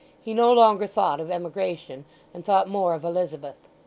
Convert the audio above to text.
He no longer thought of emigration, and thought more of Elizabeth.